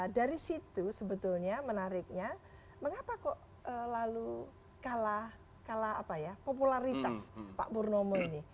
dari situ sebetulnya menariknya mengapa kok lalu kalah popularitas pak purnomo ini